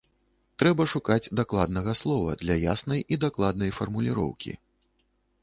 Трэба шукаць дакладнага слова для яснай і дакладнай фармуліроўкі.